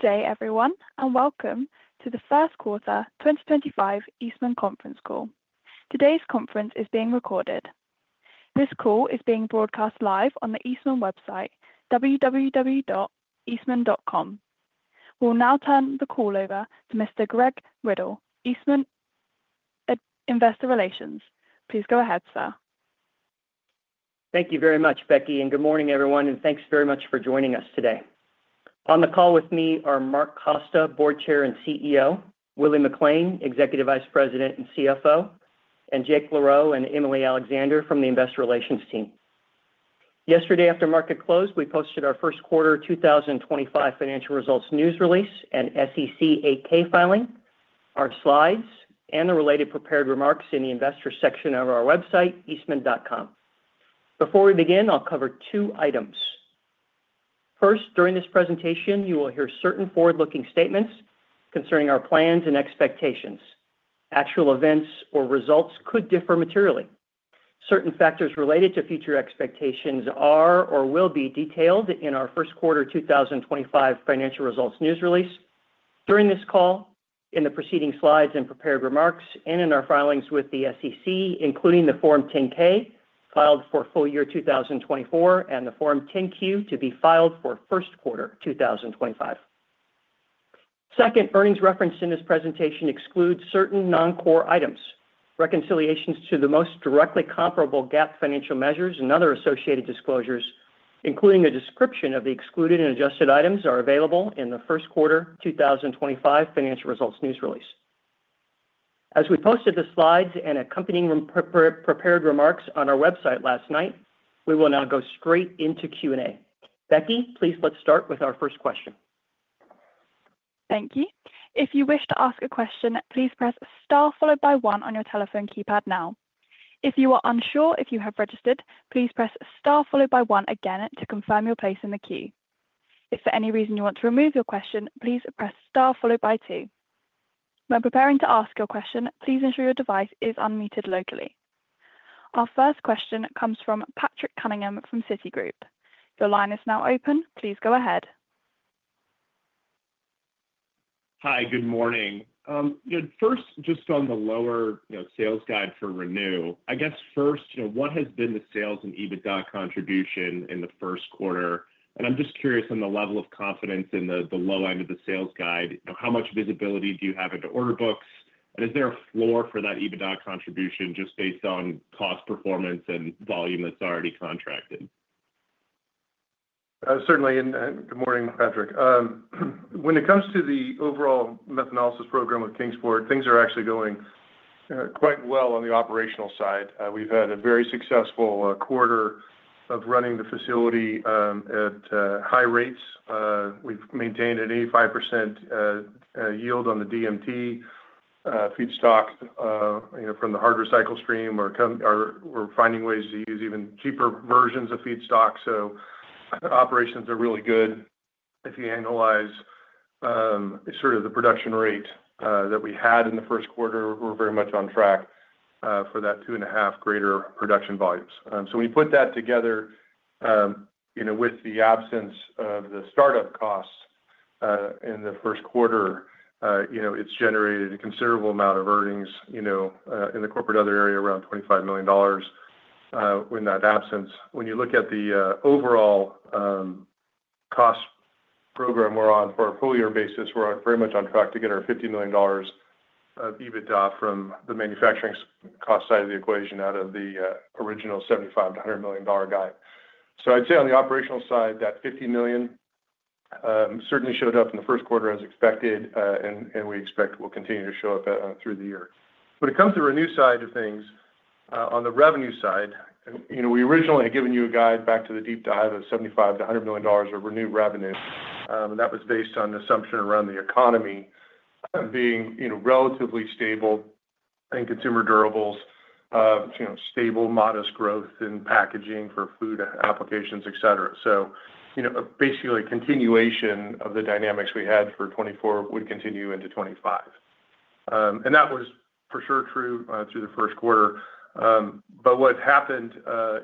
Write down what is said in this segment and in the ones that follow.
Good day, everyone, and welcome to the First Quarter 2025 Eastman Conference Call. Today's conference is being recorded. This call is being broadcast live on the Eastman website, www.eastman.com. We'll now turn the call over to Mr. Greg Riddle, Eastman Investor Relations. Please go ahead, sir. Thank you very much, Becky, and good morning, everyone, and thanks very much for joining us today. On the call with me are Mark Costa, Board Chair and CEO; Willie McLain, Executive Vice President and CFO; and Jake Laroe and Emily Alexander from the Investor Relations team. Yesterday, after market close, we posted our first quarter 2025 financial results news release and SEC 8-K filing, our slides, and the related prepared remarks in the investor section of our website, Eastman.com. Before we begin, I'll cover two items. First, during this presentation, you will hear certain forward-looking statements concerning our plans and expectations. Actual events or results could differ materially. Certain factors related to future expectations are or will be detailed in our first quarter 2025 financial results news release during this call, in the preceding slides and prepared remarks, and in our filings with the SEC, including the Form 10-K filed for full year 2024 and the Form 10-Q to be filed for first quarter 2025. Second, earnings referenced in this presentation excludes certain non-core items. Reconciliations to the most directly comparable GAAP financial measures and other associated disclosures, including a description of the excluded and adjusted items, are available in the first quarter 2025 financial results news release. As we posted the slides and accompanying prepared remarks on our website last night, we will now go straight into Q&A. Becky, please let's start with our first question. Thank you. If you wish to ask a question, please press star followed by one on your telephone keypad now. If you are unsure if you have registered, please press star followed by one again to confirm your place in the queue. If for any reason you want to remove your question, please press star followed by two. When preparing to ask your question, please ensure your device is unmuted locally. Our first question comes from Patrick Cunningham from Citigroup. Your line is now open. Please go ahead. Hi, good morning. First, just on the lower sales guide for Renew, I guess first, what has been the sales and EBITDA contribution in the first quarter? I am just curious on the level of confidence in the low end of the sales guide, how much visibility do you have into order books, and is there a floor for that EBITDA contribution just based on cost performance and volume that is already contracted? Certainly, and good morning, Patrick. When it comes to the overall methanolysis program with Kingsport, things are actually going quite well on the operational side. We've had a very successful quarter of running the facility at high rates. We've maintained an 85% yield on the DMT feedstock from the hard recycle stream, or we're finding ways to use even cheaper versions of feedstock. Operations are really good. If you analyze sort of the production rate that we had in the first quarter, we're very much on track for that two and a half greater production volumes. When you put that together with the absence of the startup costs in the first quarter, it's generated a considerable amount of earnings in the corporate other area, around $25 million in that absence. When you look at the overall cost program we're on for a full year basis, we're very much on track to get our $50 million of EBITDA from the manufacturing cost side of the equation out of the original $75-$100 million guide. I'd say on the operational side, that $50 million certainly showed up in the first quarter as expected, and we expect will continue to show up through the year. When it comes to the Renew side of things, on the revenue side, we originally had given you a guide back to the deep dive of $75-$100 million of Renew revenue, and that was based on the assumption around the economy being relatively stable and consumer durables, stable modest growth in packaging for food applications, et cetera. Basically, continuation of the dynamics we had for 2024 would continue into 2025. That was for sure true through the first quarter. What happened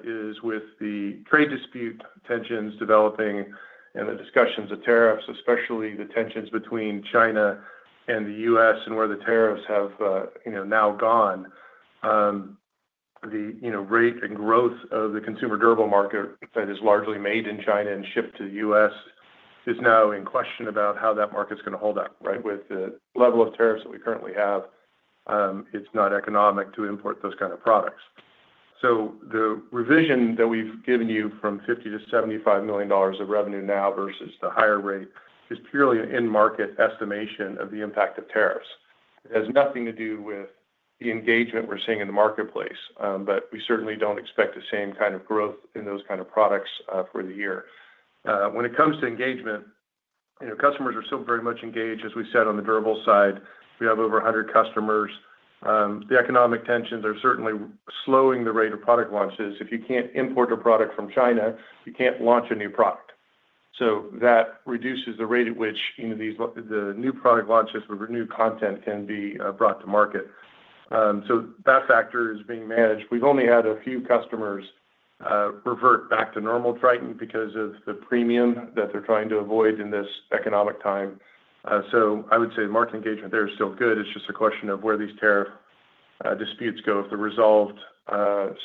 is with the trade dispute tensions developing and the discussions of tariffs, especially the tensions between China and the U.S. and where the tariffs have now gone, the rate and growth of the consumer durable market that is largely made in China and shipped to the U.S. is now in question about how that market's going to hold up, right? With the level of tariffs that we currently have, it's not economic to import those kinds of products. The revision that we've given you from $50 million to $75 million of revenue now versus the higher rate is purely an in-market estimation of the impact of tariffs. It has nothing to do with the engagement we're seeing in the marketplace, but we certainly don't expect the same kind of growth in those kinds of products for the year. When it comes to engagement, customers are still very much engaged, as we said, on the durable side. We have over 100 customers. The economic tensions are certainly slowing the rate of product launches. If you can't import a product from China, you can't launch a new product. That reduces the rate at which the new product launches with renewed content can be brought to market. That factor is being managed. We've only had a few customers revert back to normal Tritan because of the premium that they're trying to avoid in this economic time. I would say the market engagement there is still good. It's just a question of where these tariff disputes go. If they're resolved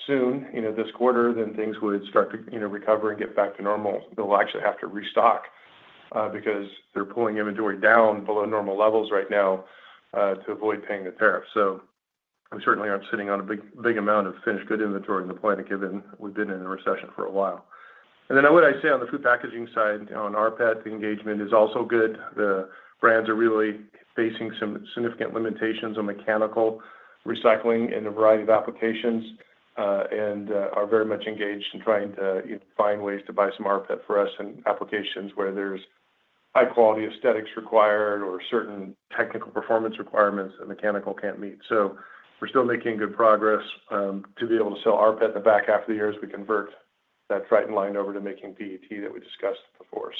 soon, this quarter, things would start to recover and get back to normal. They'll actually have to restock because they're pulling inventory down below normal levels right now to avoid paying the tariff. We certainly aren't sitting on a big amount of finished good inventory in the plant, given we've been in a recession for a while. I would say on the food packaging side, on our PET, the engagement is also good. The brands are really facing some significant limitations on mechanical recycling in a variety of applications and are very much engaged in trying to find ways to buy some RPET from us in applications where there's high-quality aesthetics required or certain technical performance requirements that mechanical can't meet. We're still making good progress to be able to sell RPET in the back half of the year as we convert that Tritan line over to making PET that we discussed before.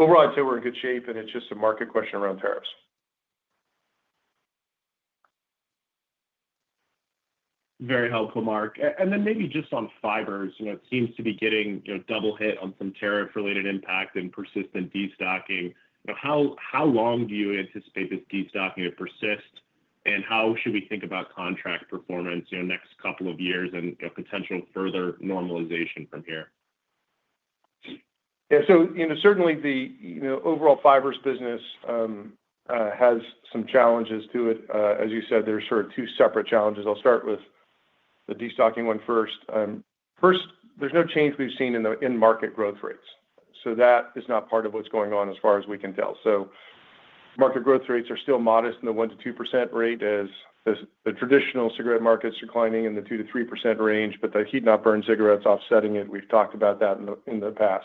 Overall, I'd say we're in good shape, and it's just a market question around tariffs. Very helpful, Mark. Maybe just on fibers, it seems to be getting double hit on some tariff-related impact and persistent destocking. How long do you anticipate this destocking to persist, and how should we think about contract performance next couple of years and potential further normalization from here? Yeah. Certainly, the overall fibers business has some challenges to it. As you said, there's sort of two separate challenges. I'll start with the destocking one first. First, there's no change we've seen in market growth rates. That is not part of what's going on as far as we can tell. Market growth rates are still modest in the 1%-2% rate as the traditional cigarette markets are declining in the 2%-3% range, but the heat not burn cigarettes offsetting it. We've talked about that in the past.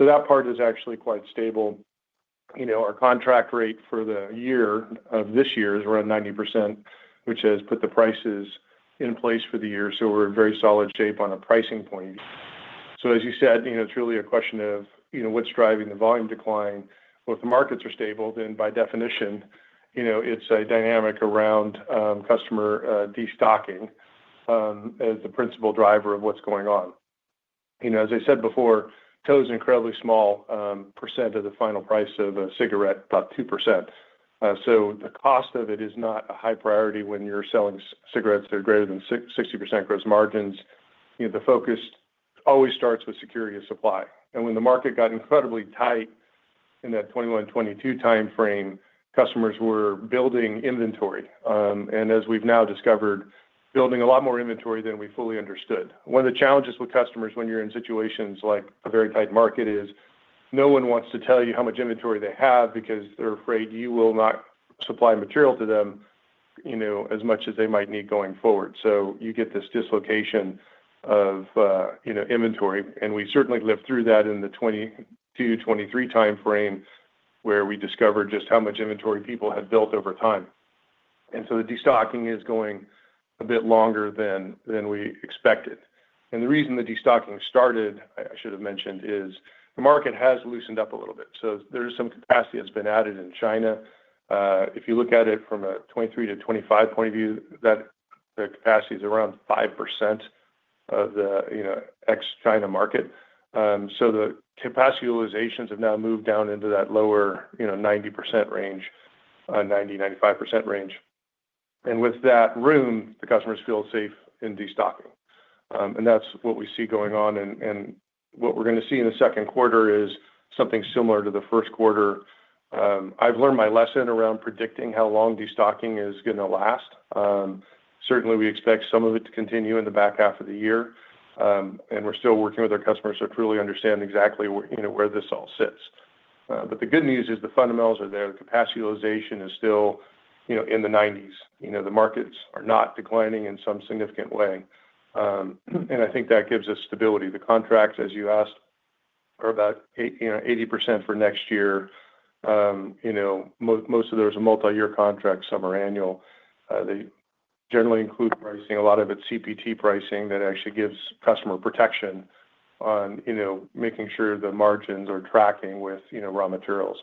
That part is actually quite stable. Our contract rate for the year of this year is around 90%, which has put the prices in place for the year. We're in very solid shape on a pricing point of view. As you said, it's really a question of what's driving the volume decline. If the markets are stable, then by definition, it's a dynamic around customer destocking as the principal driver of what's going on. As I said before, TOA is an incredibly small percent of the final price of a cigarette, about 2%. The cost of it is not a high priority when you're selling cigarettes that are greater than 60% gross margins. The focus always starts with security of supply. When the market got incredibly tight in that 2021-2022 timeframe, customers were building inventory. As we've now discovered, building a lot more inventory than we fully understood. One of the challenges with customers when you're in situations like a very tight market is no one wants to tell you how much inventory they have because they're afraid you will not supply material to them as much as they might need going forward. You get this dislocation of inventory, and we certainly lived through that in the 2022, 2023 timeframe where we discovered just how much inventory people had built over time. The destocking is going a bit longer than we expected. The reason the destocking started, I should have mentioned, is the market has loosened up a little bit. There is some capacity that's been added in China. If you look at it from a 2023 to 2025 point of view, that capacity is around 5% of the ex-China market. The capacity utilizations have now moved down into that lower 90% range, 90-95% range. With that room, the customers feel safe in destocking. That is what we see going on. What we are going to see in the second quarter is something similar to the first quarter. I have learned my lesson around predicting how long destocking is going to last. Certainly, we expect some of it to continue in the back half of the year. We are still working with our customers to truly understand exactly where this all sits. The good news is the fundamentals are there. The capacity utilization is still in the 90s. The markets are not declining in some significant way. I think that gives us stability. The contracts, as you asked, are about 80% for next year. Most of those are multi-year contracts, some are annual. They generally include pricing, a lot of it CPT pricing that actually gives customer protection on making sure the margins are tracking with raw materials.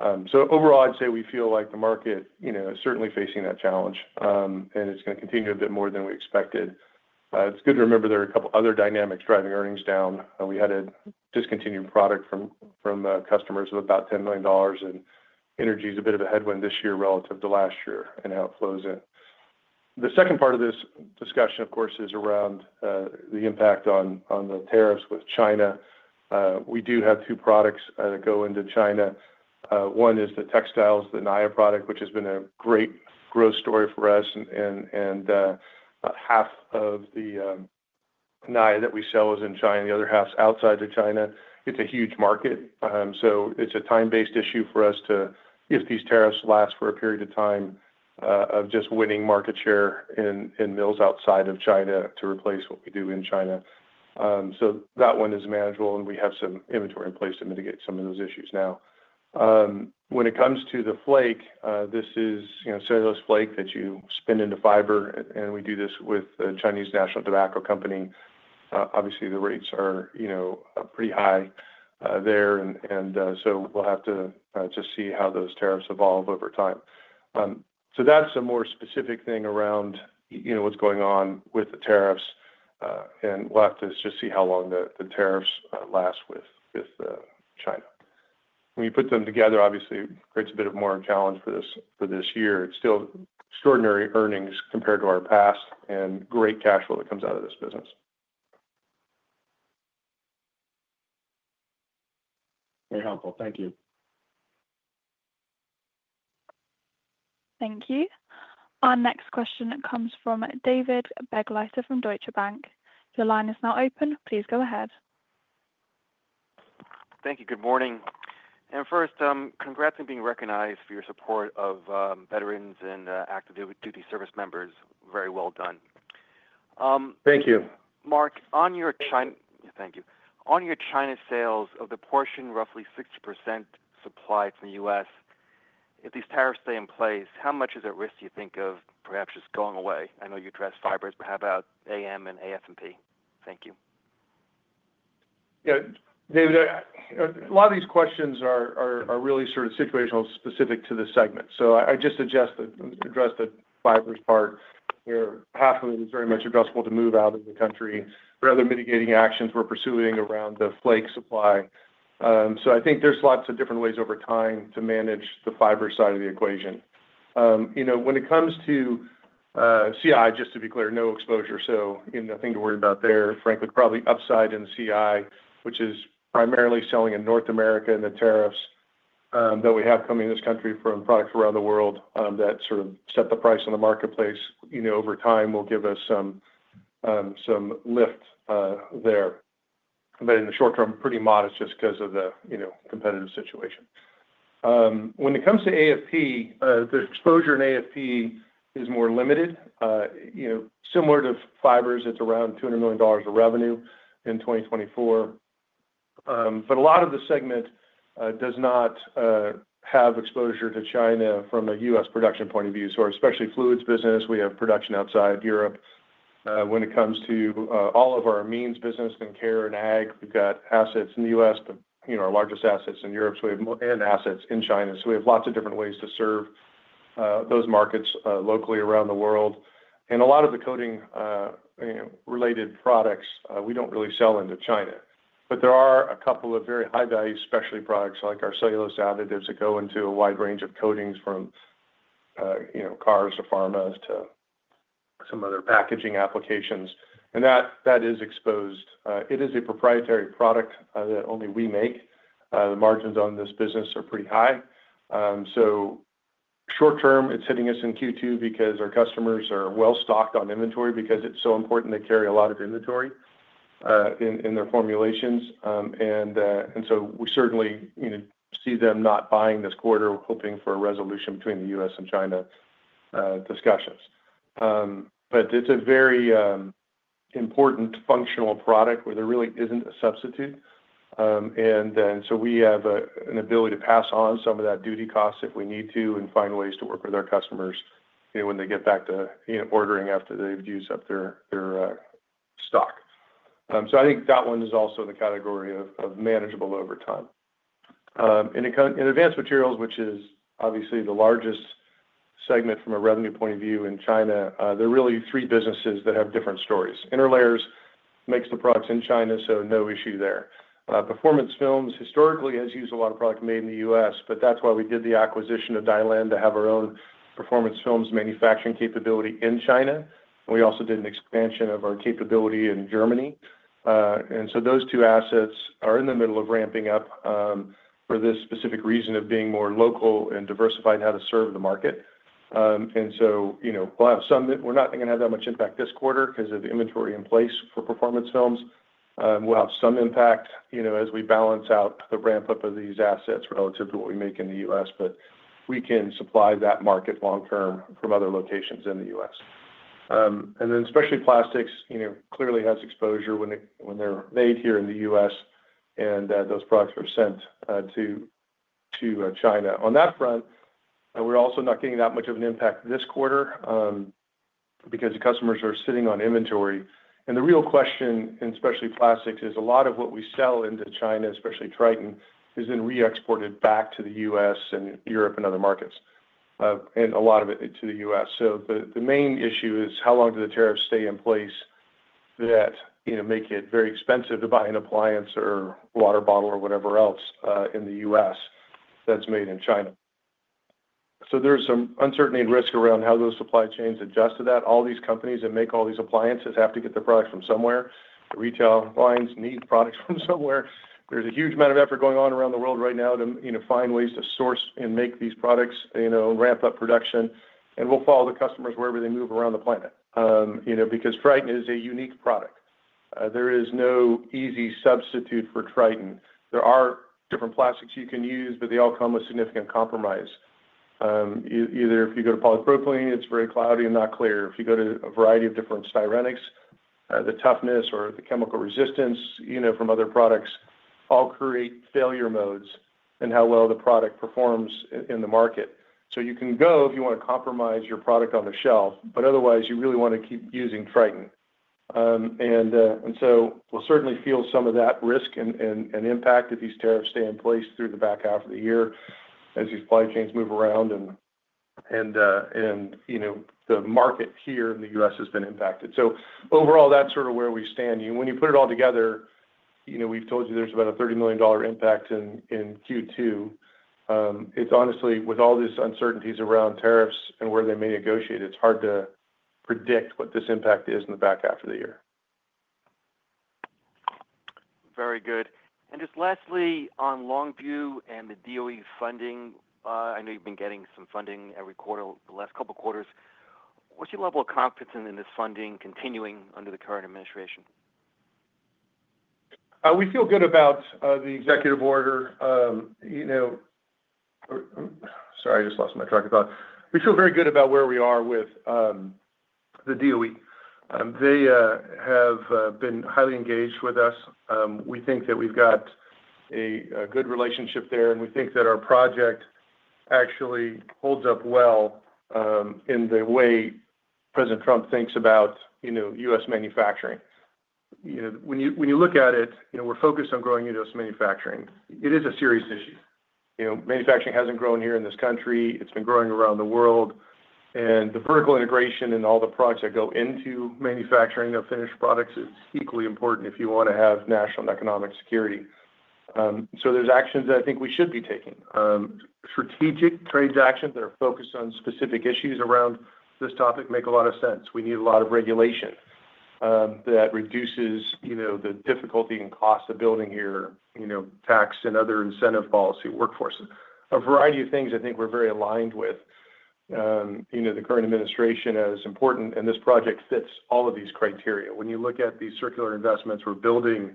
Overall, I'd say we feel like the market is certainly facing that challenge, and it's going to continue a bit more than we expected. It's good to remember there are a couple of other dynamics driving earnings down. We had a discontinued product from customers of about $10 million, and energy is a bit of a headwind this year relative to last year and how it flows in. The second part of this discussion, of course, is around the impact on the tariffs with China. We do have two products that go into China. One is the textiles, the Naia product, which has been a great growth story for us. About half of the Naia that we sell is in China. The other half's outside of China. It's a huge market. It's a time-based issue for us to, if these tariffs last for a period of time, of just winning market share in mills outside of China to replace what we do in China. That one is manageable, and we have some inventory in place to mitigate some of those issues now. When it comes to the flake, this is cellulose flake that you spin into fiber, and we do this with the China National Tobacco Corporation. Obviously, the rates are pretty high there, and we'll have to just see how those tariffs evolve over time. That's a more specific thing around what's going on with the tariffs, and we'll have to just see how long the tariffs last with China. When you put them together, obviously, it creates a bit of more challenge for this year. It's still extraordinary earnings compared to our past and great cash flow that comes out of this business. Very helpful. Thank you. Thank you. Our next question comes from David Begleiter from Deutsche Bank. Your line is now open. Please go ahead. Thank you. Good morning. First, congrats on being recognized for your support of veterans and active duty service members. Very well done. Thank you. Mark, on your China—thank you. On your China sales, of the portion, roughly 60% supplied from the U.S., if these tariffs stay in place, how much is at risk, do you think, of perhaps just going away? I know you addressed fibers, but how about AM and AFMP? Thank you. Yeah. David, a lot of these questions are really sort of situational, specific to the segment. I just suggest that we address the fibers part where half of it is very much addressable to move out of the country. There are other mitigating actions we are pursuing around the flake supply. I think there are lots of different ways over time to manage the fiber side of the equation. When it comes to CI, just to be clear, no exposure. Nothing to worry about there. Frankly, probably upside in CI, which is primarily selling in North America, and the tariffs that we have coming to this country from products around the world that sort of set the price on the marketplace over time will give us some lift there. In the short term, pretty modest just because of the competitive situation. When it comes to AFP, the exposure in AFP is more limited. Similar to fibers, it's around $200 million of revenue in 2024. A lot of the segment does not have exposure to China from a U.S. production point of view. Especially fluids business, we have production outside Europe. When it comes to all of our means business and care and ag, we've got assets in the U.S., but our largest assets in Europe, and assets in China. We have lots of different ways to serve those markets locally around the world. A lot of the coating-related products, we do not really sell into China. There are a couple of very high-value specialty products like our cellulose additives that go into a wide range of coatings from cars to pharma to some other packaging applications. That is exposed. It is a proprietary product that only we make. The margins on this business are pretty high. Short term, it's hitting us in Q2 because our customers are well stocked on inventory because it's so important they carry a lot of inventory in their formulations. We certainly see them not buying this quarter, hoping for a resolution between the U.S. and China discussions. It is a very important functional product where there really isn't a substitute. We have an ability to pass on some of that duty cost if we need to and find ways to work with our customers when they get back to ordering after they've used up their stock. I think that one is also in the category of manageable over time. In advanced materials, which is obviously the largest segment from a revenue point of view in China, there are really three businesses that have different stories. Interlayers makes the products in China, so no issue there. Performance films, historically, has used a lot of product made in the U.S., but that is why we did the acquisition of Dylan to have our own performance films manufacturing capability in China. We also did an expansion of our capability in Germany. Those two assets are in the middle of ramping up for this specific reason of being more local and diversified in how to serve the market. We will have some—we are not going to have that much impact this quarter because of the inventory in place for performance films. We'll have some impact as we balance out the ramp-up of these assets relative to what we make in the U.S., but we can supply that market long-term from other locations in the U.S. Especially plastics clearly has exposure when they're made here in the U.S., and those products are sent to China. On that front, we're also not getting that much of an impact this quarter because the customers are sitting on inventory. The real question, in especially plastics, is a lot of what we sell into China, especially Tritan, is then re-exported back to the U.S. and Europe and other markets, and a lot of it to the U.S. The main issue is how long do the tariffs stay in place that make it very expensive to buy an appliance or water bottle or whatever else in the U.S. that's made in China. There is some uncertainty and risk around how those supply chains adjust to that. All these companies that make all these appliances have to get the product from somewhere. The retail lines need products from somewhere. There is a huge amount of effort going on around the world right now to find ways to source and make these products and ramp up production. We will follow the customers wherever they move around the planet because Tritan is a unique product. There is no easy substitute for Tritan. There are different plastics you can use, but they all come with significant compromise. Either if you go to polypropylene, it is very cloudy and not clear. If you go to a variety of different styrenics, the toughness or the chemical resistance from other products all create failure modes and how well the product performs in the market. You can go if you want to compromise your product on the shelf, but otherwise, you really want to keep using Tritan. We will certainly feel some of that risk and impact if these tariffs stay in place through the back half of the year as these supply chains move around and the market here in the U.S. has been impacted. Overall, that's sort of where we stand. When you put it all together, we've told you there's about a $30 million impact in Q2. Honestly, with all these uncertainties around tariffs and where they may negotiate, it's hard to predict what this impact is in the back half of the year. Very good. Just lastly, on Longview and the DOE funding, I know you've been getting some funding every quarter, the last couple of quarters. What's your level of confidence in this funding continuing under the current administration? We feel good about the executive order. Sorry, I just lost my track of thought. We feel very good about where we are with the DOE. They have been highly engaged with us. We think that we've got a good relationship there, and we think that our project actually holds up well in the way President Trump thinks about U.S. manufacturing. When you look at it, we're focused on growing U.S. manufacturing. It is a serious issue. Manufacturing hasn't grown here in this country. It's been growing around the world. The vertical integration and all the products that go into manufacturing of finished products is equally important if you want to have national and economic security. There are actions that I think we should be taking. Strategic transactions that are focused on specific issues around this topic make a lot of sense. We need a lot of regulation that reduces the difficulty and cost of building here, tax and other incentive policy, workforce. A variety of things I think we're very aligned with. The current administration is important, and this project fits all of these criteria. When you look at these circular investments, we're building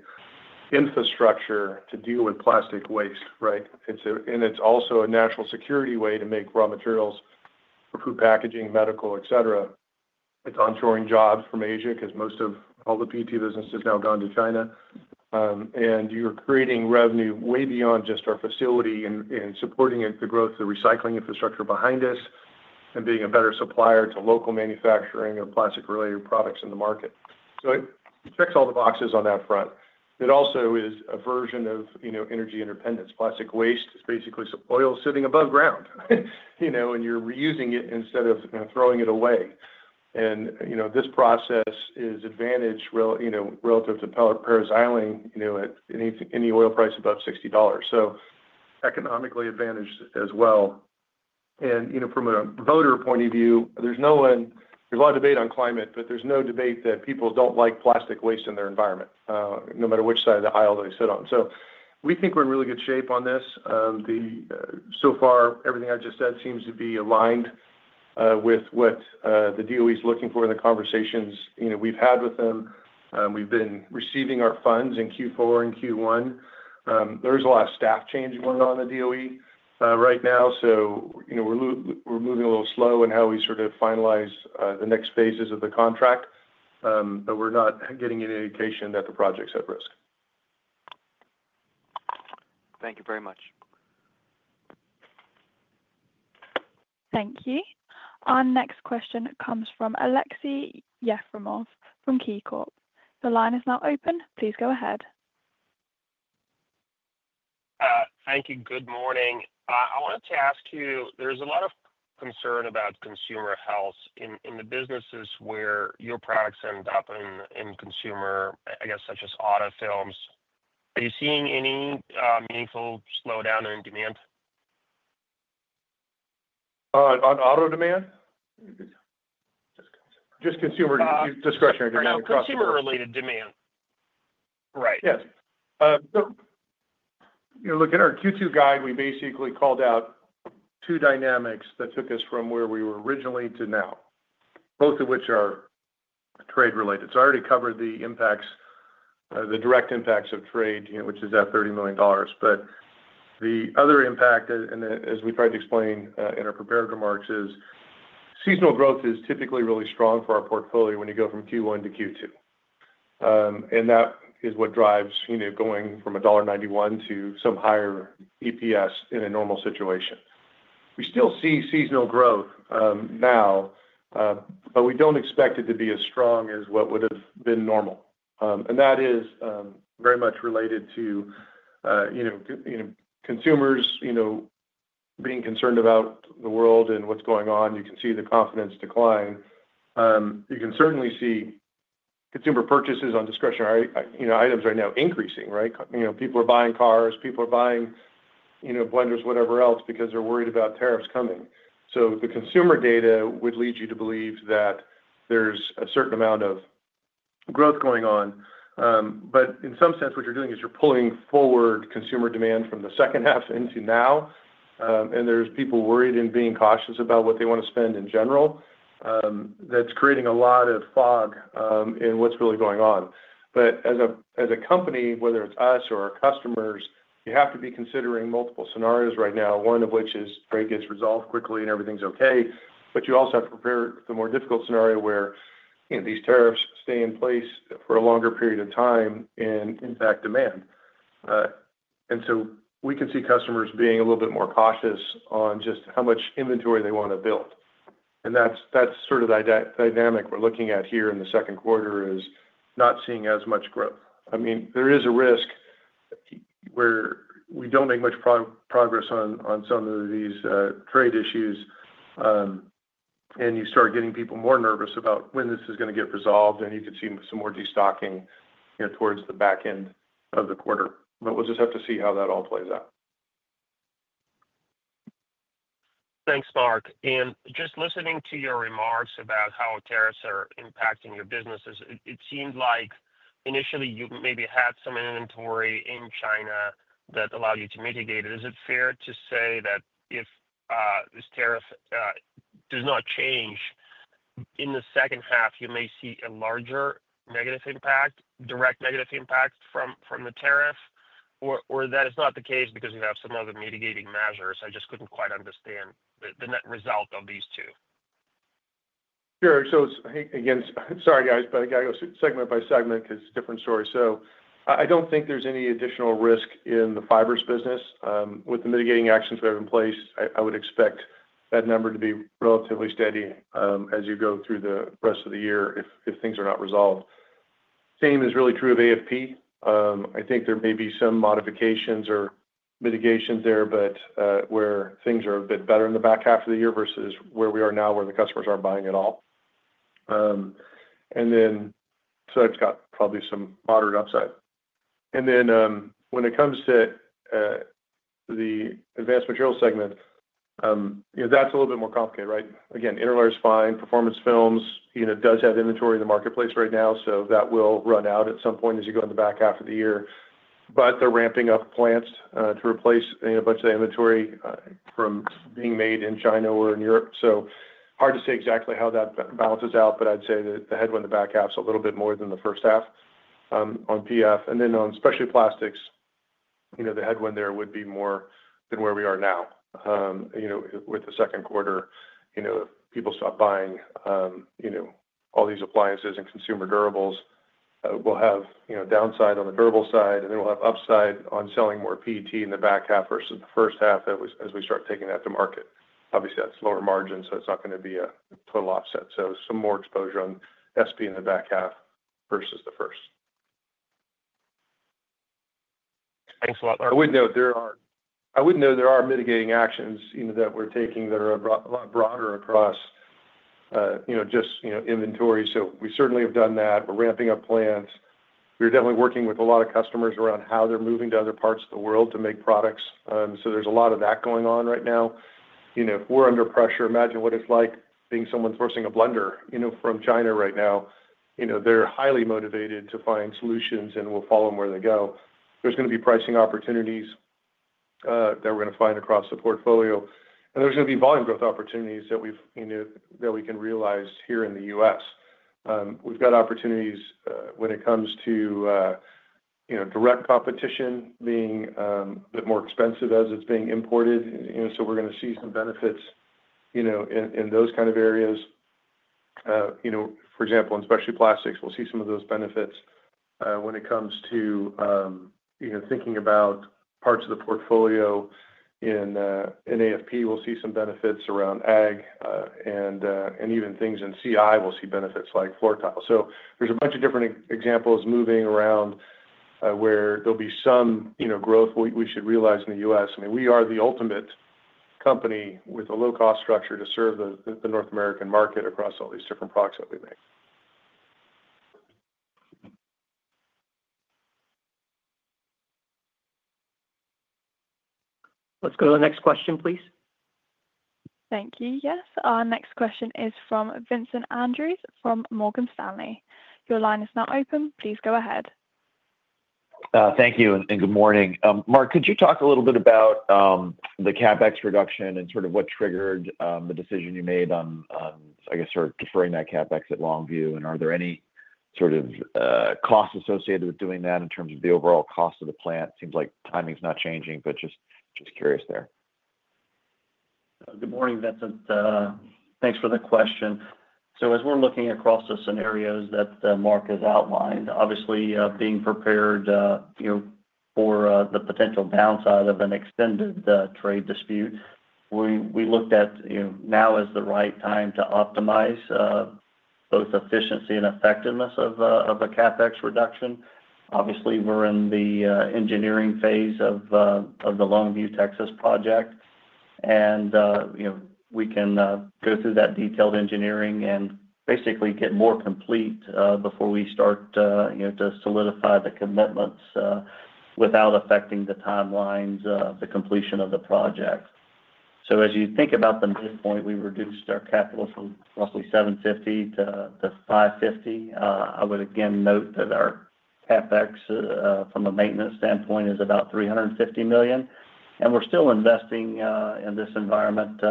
infrastructure to deal with plastic waste, right? It's also a national security way to make raw materials for food packaging, medical, etc. It's onshoring jobs from Asia because most of all the PET business has now gone to China. You're creating revenue way beyond just our facility and supporting the growth of the recycling infrastructure behind us and being a better supplier to local manufacturing of plastic-related products in the market. It checks all the boxes on that front. It also is a version of energy independence. Plastic waste is basically some oil sitting above ground, and you're reusing it instead of throwing it away. This process is advantaged relative to Paris Island at any oil price above $60. Economically advantaged as well. From a voter point of view, there's no one—there's a lot of debate on climate, but there's no debate that people do not like plastic waste in their environment, no matter which side of the aisle they sit on. We think we're in really good shape on this. So far, everything I just said seems to be aligned with what the DOE is looking for in the conversations we've had with them. We've been receiving our funds in Q4 and Q1. There is a lot of staff change going on in the DOE right now. We're moving a little slow in how we sort of finalize the next phases of the contract, but we're not getting any indication that the project's at risk. Thank you very much. Thank you. Our next question comes from Alexei Yefremov from KeyBanc. The line is now open. Please go ahead. Thank you. Good morning. I wanted to ask you, there's a lot of concern about consumer health in the businesses where your products end up in consumer, I guess, such as auto films. Are you seeing any meaningful slowdown in demand? On auto demand? Just consumer. Just consumer discretionary demand. Consumer-related demand. Right. Yes. Look at our Q2 guide. We basically called out two dynamics that took us from where we were originally to now, both of which are trade-related. I already covered the impacts, the direct impacts of trade, which is that $30 million. The other impact, and as we tried to explain in our prepared remarks, is seasonal growth is typically really strong for our portfolio when you go from Q1 to Q2. That is what drives going from $1.91 to some higher EPS in a normal situation. We still see seasonal growth now, but we do not expect it to be as strong as what would have been normal. That is very much related to consumers being concerned about the world and what is going on. You can see the confidence decline. You can certainly see consumer purchases on discretionary items right now increasing, right? People are buying cars. People are buying blenders, whatever else, because they're worried about tariffs coming. The consumer data would lead you to believe that there's a certain amount of growth going on. In some sense, what you're doing is you're pulling forward consumer demand from the second half into now. There's people worried and being cautious about what they want to spend in general. That's creating a lot of fog in what's really going on. As a company, whether it's us or our customers, you have to be considering multiple scenarios right now, one of which is trade gets resolved quickly and everything's okay. You also have to prepare for the more difficult scenario where these tariffs stay in place for a longer period of time and impact demand. We can see customers being a little bit more cautious on just how much inventory they want to build. That is sort of the dynamic we are looking at here in the second quarter, not seeing as much growth. I mean, there is a risk where we do not make much progress on some of these trade issues. You start getting people more nervous about when this is going to get resolved, and you could see some more destocking towards the back end of the quarter. We will just have to see how that all plays out. Thanks, Mark. Just listening to your remarks about how tariffs are impacting your businesses, it seems like initially you maybe had some inventory in China that allowed you to mitigate it. Is it fair to say that if this tariff does not change in the second half, you may see a larger negative impact, direct negative impact from the tariff, or that is not the case because you have some other mitigating measures? I just could not quite understand the net result of these two. Sure. Again, sorry, guys, but I got to go segment by segment because it's a different story. I don't think there's any additional risk in the fibers business. With the mitigating actions we have in place, I would expect that number to be relatively steady as you go through the rest of the year if things are not resolved. Same is really true of AFP. I think there may be some modifications or mitigations there, but where things are a bit better in the back half of the year versus where we are now, where the customers aren't buying at all. That's got probably some moderate upside. When it comes to the advanced materials segment, that's a little bit more complicated, right? Again, interlayers fine. Performance films does have inventory in the marketplace right now, so that will run out at some point as you go in the back half of the year. They are ramping up plants to replace a bunch of the inventory from being made in China or in Europe. It is hard to say exactly how that balances out, but I'd say that the headwind in the back half is a little bit more than the first half on PF. On specialty plastics, the headwind there would be more than where we are now with the second quarter. If people stop buying all these appliances and consumer durables, we'll have downside on the durable side, and then we'll have upside on selling more PT in the back half versus the first half as we start taking that to market. Obviously, that's lower margin, so it's not going to be a total offset. Some more exposure on SP in the back half versus the first. Thanks a lot, Mark. I would know there are mitigating actions that we're taking that are a lot broader across just inventory. We certainly have done that. We're ramping up plants. We're definitely working with a lot of customers around how they're moving to other parts of the world to make products. There's a lot of that going on right now. If we're under pressure, imagine what it's like being someone forcing a blender from China right now. They're highly motivated to find solutions, and we'll follow them where they go. There's going to be pricing opportunities that we're going to find across the portfolio. There's going to be volume growth opportunities that we can realize here in the U.S. We've got opportunities when it comes to direct competition being a bit more expensive as it's being imported. We're going to see some benefits in those kind of areas. For example, in specialty plastics, we'll see some of those benefits. When it comes to thinking about parts of the portfolio in AFP, we'll see some benefits around ag and even things in CI. We'll see benefits like floor tile. There are a bunch of different examples moving around where there will be some growth we should realize in the U.S. I mean, we are the ultimate company with a low-cost structure to serve the North American market across all these different products that we make. Let's go to the next question, please. Thank you. Yes. Our next question is from Vincent Andrews from Morgan Stanley. Your line is now open. Please go ahead. Thank you. Good morning. Mark, could you talk a little bit about the CapEx reduction and sort of what triggered the decision you made on, I guess, sort of deferring that CapEx at Longview? Are there any sort of costs associated with doing that in terms of the overall cost of the plant? Seems like timing's not changing, but just curious there. Good morning, Vincent. Thanks for the question. As we're looking across the scenarios that Mark has outlined, obviously being prepared for the potential downside of an extended trade dispute, we looked at now as the right time to optimize both efficiency and effectiveness of a CapEx reduction. Obviously, we're in the engineering phase of the Longview, Texas project, and we can go through that detailed engineering and basically get more complete before we start to solidify the commitments without affecting the timelines of the completion of the project. As you think about the midpoint, we reduced our capital from roughly $750 to $550 million. I would again note that our CapEx from a maintenance standpoint is about $350 million. We're still investing in this environment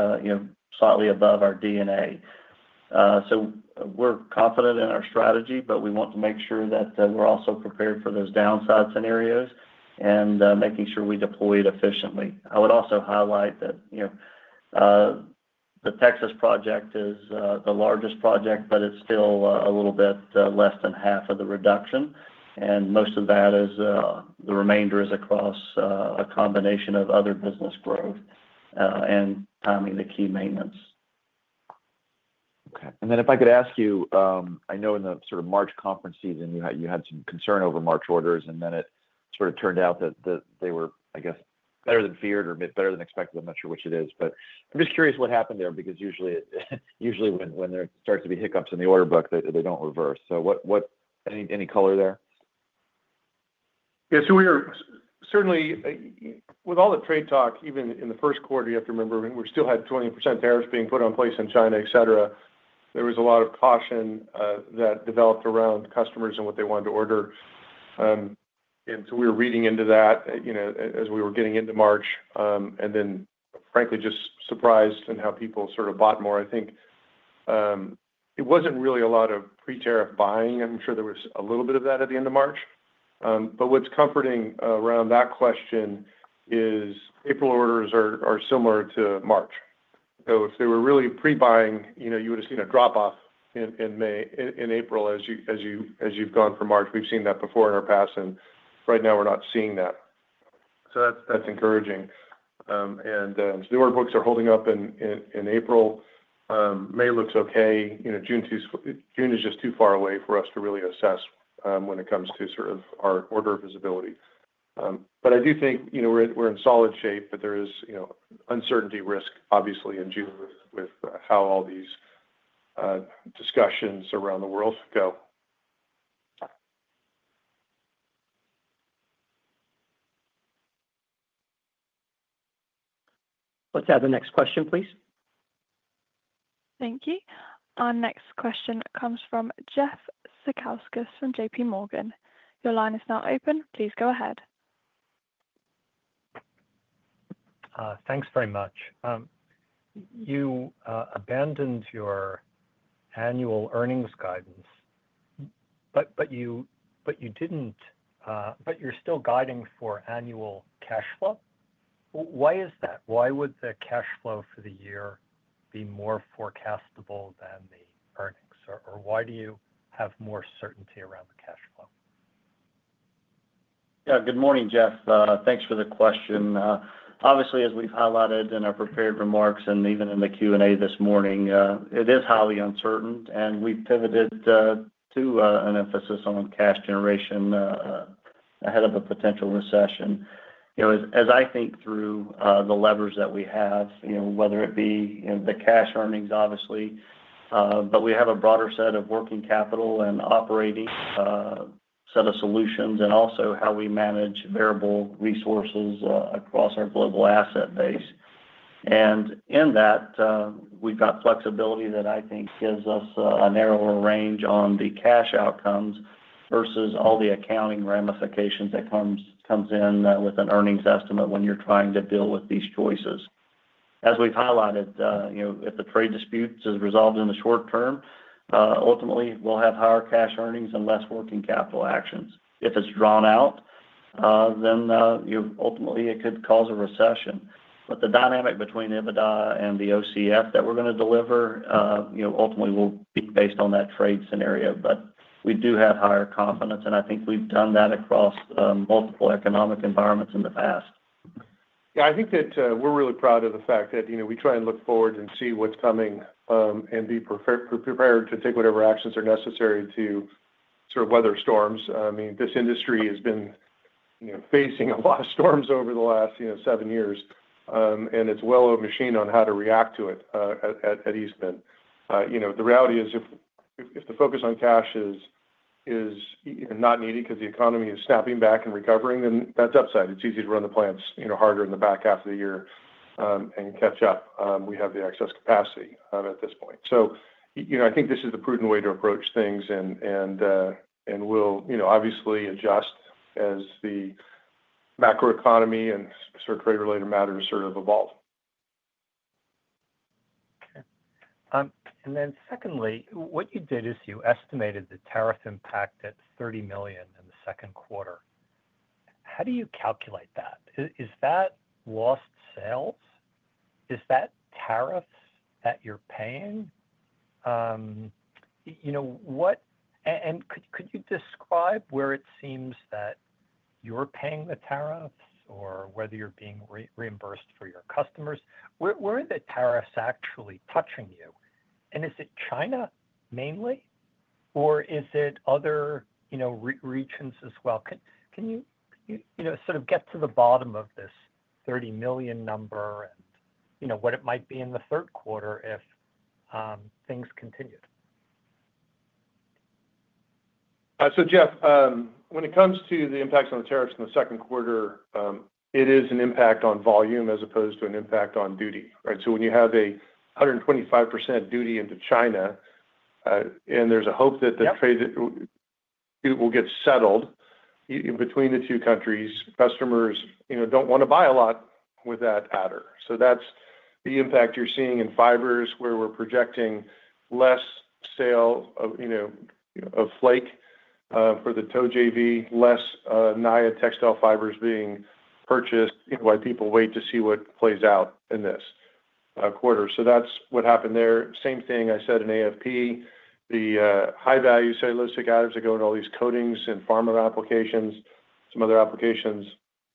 slightly above our DNA. We're confident in our strategy, but we want to make sure that we're also prepared for those downside scenarios and making sure we deploy it efficiently. I would also highlight that the Texas project is the largest project, but it's still a little bit less than half of the reduction. Most of that is the remainder is across a combination of other business growth and timing the key maintenance. Okay. If I could ask you, I know in the sort of March conference season, you had some concern over March orders, and it sort of turned out that they were, I guess, better than feared or better than expected. I'm not sure which it is. I'm just curious what happened there because usually when there starts to be hiccups in the order book, they do not reverse. Any color there? Yeah. Certainly, with all the trade talk, even in the first quarter, you have to remember, we still had 20% tariffs being put in place in China, etc. There was a lot of caution that developed around customers and what they wanted to order. We were reading into that as we were getting into March. Frankly, just surprised in how people sort of bought more. I think it was not really a lot of pre-tariff buying. I am sure there was a little bit of that at the end of March. What is comforting around that question is April orders are similar to March. If they were really pre-buying, you would have seen a drop-off in April as you have gone from March. We have seen that before in our past, and right now we are not seeing that. That is encouraging. The order books are holding up in April. May looks okay. June is just too far away for us to really assess when it comes to sort of our order visibility. I do think we're in solid shape, but there is uncertainty risk, obviously, in June with how all these discussions around the world go. Let's add the next question, please. Thank you. Our next question comes from Jeff Zekauskas from JP Morgan. Your line is now open. Please go ahead. Thanks very much. You abandoned your annual earnings guidance, but you did not—but you are still guiding for annual cash flow. Why is that? Why would the cash flow for the year be more forecastable than the earnings? Or why do you have more certainty around the cash flow? Yeah. Good morning, Jeff. Thanks for the question. Obviously, as we've highlighted in our prepared remarks and even in the Q&A this morning, it is highly uncertain, and we pivoted to an emphasis on cash generation ahead of a potential recession. As I think through the levers that we have, whether it be the cash earnings, obviously, but we have a broader set of working capital and operating set of solutions and also how we manage variable resources across our global asset base. In that, we've got flexibility that I think gives us a narrower range on the cash outcomes versus all the accounting ramifications that comes in with an earnings estimate when you're trying to deal with these choices. As we've highlighted, if the trade dispute is resolved in the short term, ultimately, we'll have higher cash earnings and less working capital actions. If it's drawn out, then ultimately, it could cause a recession. The dynamic between EBITDA and the OCF that we're going to deliver ultimately will be based on that trade scenario. We do have higher confidence, and I think we've done that across multiple economic environments in the past. Yeah. I think that we're really proud of the fact that we try and look forward and see what's coming and be prepared to take whatever actions are necessary to sort of weather storms. I mean, this industry has been facing a lot of storms over the last seven years, and it's a well-aware machine on how to react to it at Eastman. The reality is if the focus on cash is not needed because the economy is snapping back and recovering, then that's upside. It's easy to run the plants harder in the back half of the year and catch up. We have the excess capacity at this point. I think this is the prudent way to approach things, and we'll obviously adjust as the macroeconomy and sort of trade-related matters sort of evolve. Okay. Then secondly, what you did is you estimated the tariff impact at $30 million in the second quarter. How do you calculate that? Is that lost sales? Is that tariffs that you're paying? Could you describe where it seems that you're paying the tariffs or whether you're being reimbursed for your customers? Where are the tariffs actually touching you? Is it China mainly, or is it other regions as well? Can you sort of get to the bottom of this $30 million number and what it might be in the third quarter if things continued? Jeff, when it comes to the impacts on the tariffs in the second quarter, it is an impact on volume as opposed to an impact on duty, right? When you have a 125% duty into China and there is a hope that the trade will get settled between the two countries, customers do not want to buy a lot with that adder. That is the impact you are seeing in fibers where we are projecting less sale of flake for the TOJV, less Naia textile fibers being purchased while people wait to see what plays out in this quarter. That is what happened there. Same thing I said in AFP. The high-value cellulosic additives are going to all these coatings and pharma applications, some other applications.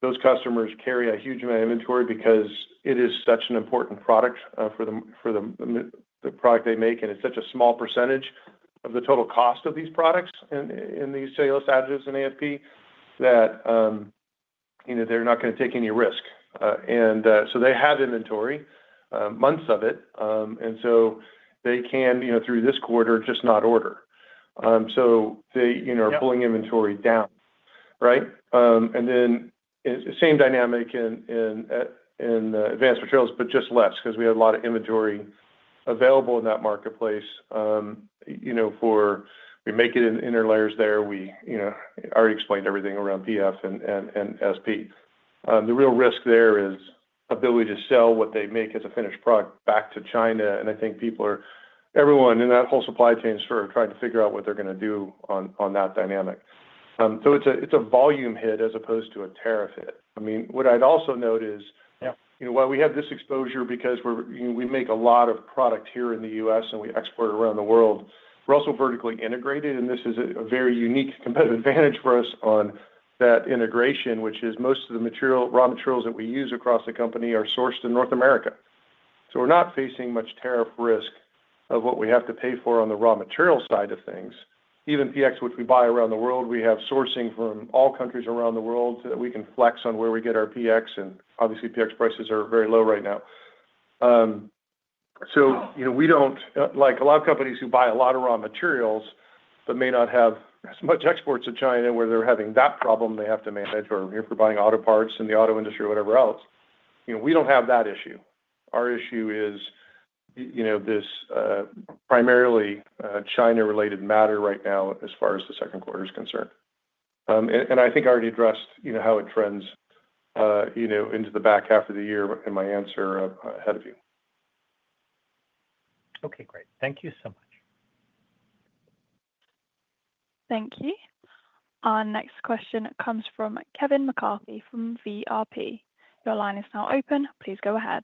Those customers carry a huge amount of inventory because it is such an important product for the product they make, and it's such a small percentage of the total cost of these products in these cellulose additives in AFP that they're not going to take any risk. They have inventory, months of it, and they can, through this quarter, just not order. They are pulling inventory down, right? The same dynamic in advanced materials, but just less because we have a lot of inventory available in that marketplace for we make it in interlayers there. We already explained everything around PF and SP. The real risk there is ability to sell what they make as a finished product back to China. I think people are, everyone in that whole supply chain is sort of trying to figure out what they're going to do on that dynamic. It's a volume hit as opposed to a tariff hit. I mean, what I'd also note is while we have this exposure because we make a lot of product here in the U.S. and we export around the world, we're also vertically integrated, and this is a very unique competitive advantage for us on that integration, which is most of the raw materials that we use across the company are sourced in North America. We're not facing much tariff risk of what we have to pay for on the raw material side of things. Even PX, which we buy around the world, we have sourcing from all countries around the world so that we can flex on where we get our PX, and obviously, PX prices are very low right now. We do not, like a lot of companies who buy a lot of raw materials but may not have as much exports to China where they're having that problem they have to manage or if we're buying auto parts in the auto industry or whatever else. We do not have that issue. Our issue is this primarily China-related matter right now as far as the second quarter is concerned. I think I already addressed how it trends into the back half of the year in my answer ahead of you. Okay. Great. Thank you so much. Thank you. Our next question comes from Kevin McCarthy from VRP. Your line is now open. Please go ahead.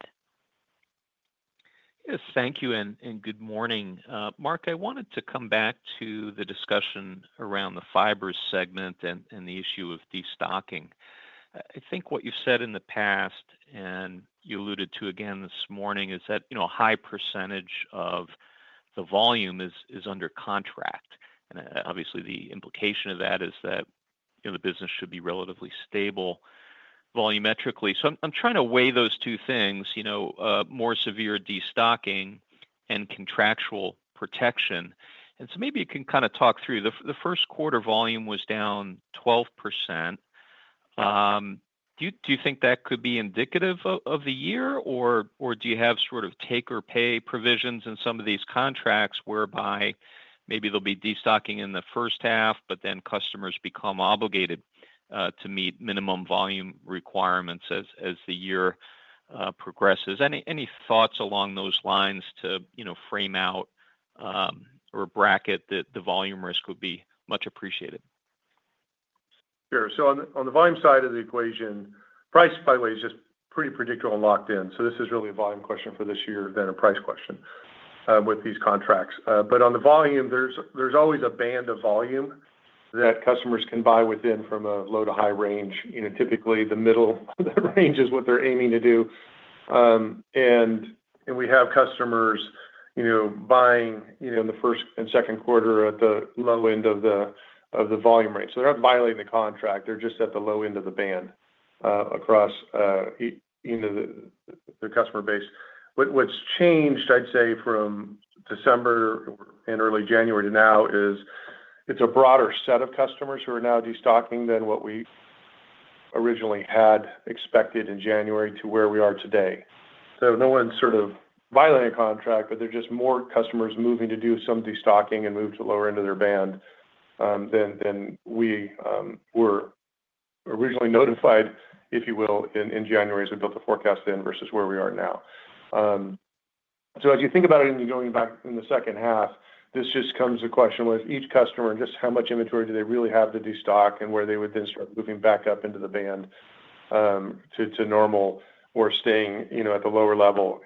Yes. Thank you and good morning. Mark, I wanted to come back to the discussion around the fibers segment and the issue of destocking. I think what you've said in the past, and you alluded to again this morning, is that a high percentage of the volume is under contract. Obviously, the implication of that is that the business should be relatively stable volumetrically. I'm trying to weigh those two things: more severe destocking and contractual protection. Maybe you can kind of talk through. The first quarter volume was down 12%. Do you think that could be indicative of the year, or do you have sort of take-or-pay provisions in some of these contracts whereby maybe there'll be destocking in the first half, but then customers become obligated to meet minimum volume requirements as the year progresses? Any thoughts along those lines to frame out or bracket that the volume risk would be much appreciated? Sure. On the volume side of the equation, price, by the way, is just pretty predictable and locked in. This is really a volume question for this year than a price question with these contracts. On the volume, there's always a band of volume that customers can buy within from a low to high range. Typically, the middle range is what they're aiming to do. We have customers buying in the first and second quarter at the low end of the volume range. They're not violating the contract. They're just at the low end of the band across their customer base. What's changed, I'd say, from December and early January to now is it's a broader set of customers who are now destocking than what we originally had expected in January to where we are today. No one's sort of violating a contract, but there's just more customers moving to do some destocking and move to the lower end of their band than we were originally notified, if you will, in January as we built the forecast in versus where we are now. As you think about it and you're going back in the second half, this just comes to the question with each customer and just how much inventory do they really have to destock and where they would then start moving back up into the band to normal or staying at the lower level.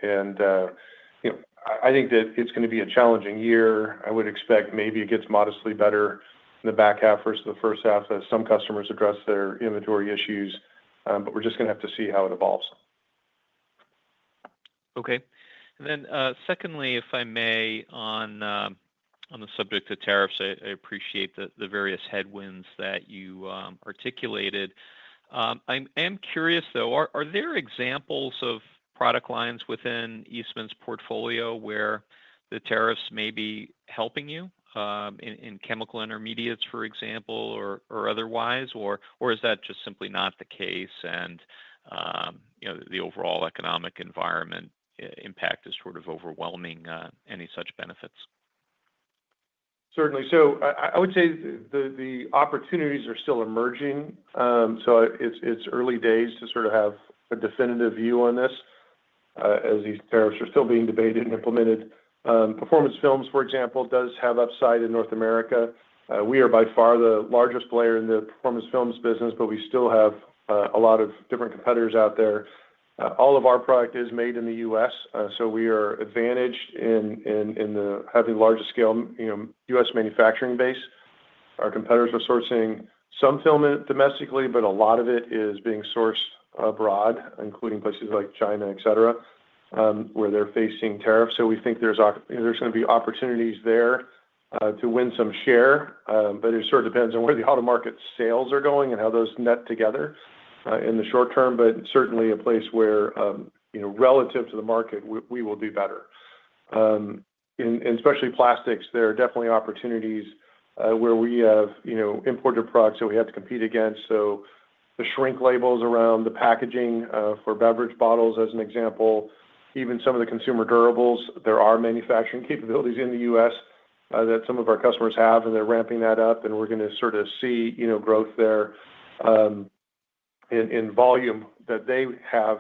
I think that it's going to be a challenging year. I would expect maybe it gets modestly better in the back half versus the first half as some customers address their inventory issues, but we're just going to have to see how it evolves. Okay. Secondly, if I may, on the subject of tariffs, I appreciate the various headwinds that you articulated. I am curious, though, are there examples of product lines within Eastman's portfolio where the tariffs may be helping you in chemical intermediates, for example, or otherwise? Is that just simply not the case and the overall economic environment impact is sort of overwhelming any such benefits? Certainly. I would say the opportunities are still emerging. It's early days to sort of have a definitive view on this as these tariffs are still being debated and implemented. Performance Films, for example, does have upside in North America. We are by far the largest player in the performance films business, but we still have a lot of different competitors out there. All of our product is made in the U.S., so we are advantaged in having the largest scale U.S. manufacturing base. Our competitors are sourcing some film domestically, but a lot of it is being sourced abroad, including places like China, etc., where they're facing tariffs. We think there's going to be opportunities there to win some share, but it sort of depends on where the auto market sales are going and how those net together in the short term, but certainly a place where relative to the market, we will do better. In specialty plastics, there are definitely opportunities where we have imported products that we have to compete against. The shrink labels around the packaging for beverage bottles, as an example, even some of the consumer durables, there are manufacturing capabilities in the U.S. that some of our customers have, and they're ramping that up, and we're going to sort of see growth there in volume that they have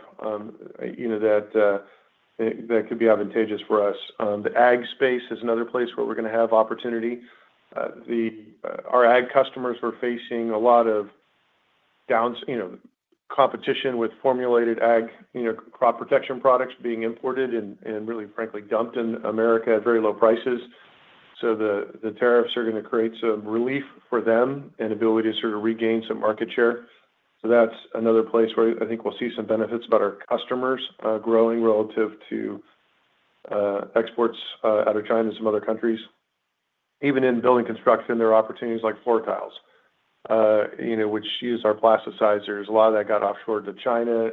that could be advantageous for us. The ag space is another place where we're going to have opportunity. Our ag customers were facing a lot of competition with formulated ag crop protection products being imported and really, frankly, dumped in America at very low prices. The tariffs are going to create some relief for them and ability to sort of regain some market share. That is another place where I think we will see some benefits about our customers growing relative to exports out of China and some other countries. Even in building construction, there are opportunities like floor tiles, which use our plasticizers. A lot of that got offshore to China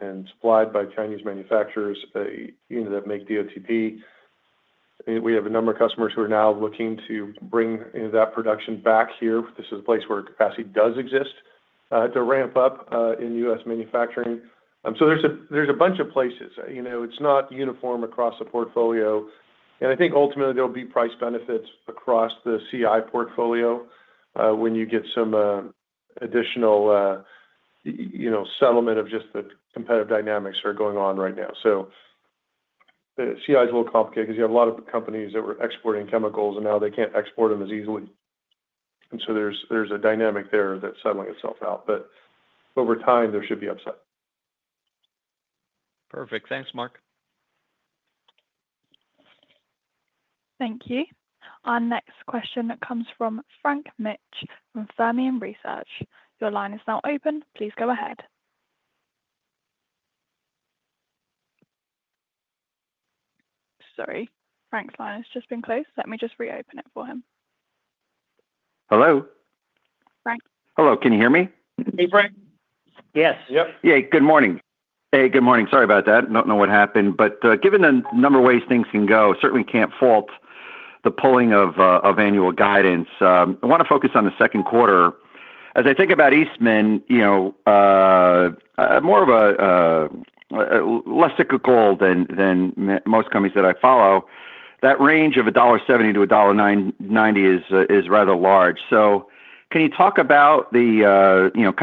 and supplied by Chinese manufacturers that make DOTP. We have a number of customers who are now looking to bring that production back here. This is a place where capacity does exist to ramp up in U.S. manufacturing. There is a bunch of places. It is not uniform across the portfolio. I think ultimately there will be price benefits across the CI portfolio when you get some additional settlement of just the competitive dynamics that are going on right now. CI is a little complicated because you have a lot of companies that were exporting chemicals, and now they cannot export them as easily. There is a dynamic there that is settling itself out. Over time, there should be upside. Perfect. Thanks, Mark. Thank you. Our next question comes from Frank Mitsch from Fermium Research. Your line is now open. Please go ahead. Sorry. Frank's line has just been closed. Let me just reopen it for him. Hello. Frank. Hello. Can you hear me? Hey, Frank. Yes. Yep. Yeah. Good morning. Hey. Good morning. Sorry about that. Do not know what happened. Given the number of ways things can go, certainly cannot fault the pulling of annual guidance. I want to focus on the second quarter. As I think about Eastman, more of a less cyclical than most companies that I follow, that range of $1.70-$1.90 is rather large. Can you talk about kind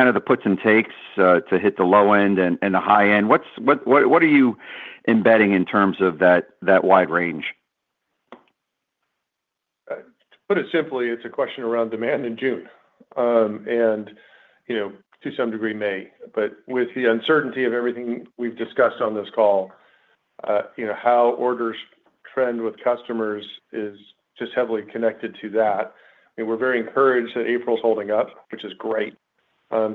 of the puts and takes to hit the low end and the high end? What are you embedding in terms of that wide range? To put it simply, it's a question around demand in June and to some degree May. With the uncertainty of everything we've discussed on this call, how orders trend with customers is just heavily connected to that. We're very encouraged that April is holding up, which is great. We are